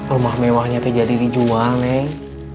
rumah mewahnya teh jadi dijual neng